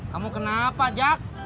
kamu kenapa jack